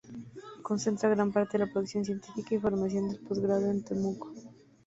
Concentra gran parte de la producción científica y formación de postgrado en Temuco.